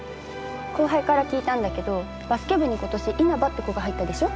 後輩から聞いたんだけどバスケ部に今年稲葉って子が入ったでしょ？